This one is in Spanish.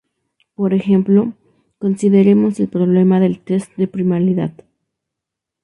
Por ejemplo, consideremos el problema del test de primalidad.